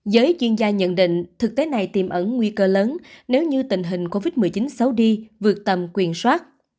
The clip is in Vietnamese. giới chuyên gia nhận định thực tế này tiềm ẩn nguy cơ lớn nếu như tình hình covid một mươi chín xấu đi vượt tầm quyền soát